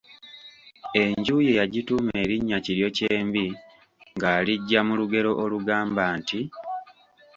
Enju ye yagituuma erinnya Kiryokyembi ng'aliggya mu lugero olugamba nti.